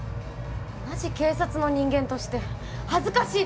同じ警察の人間として恥ずかしいです。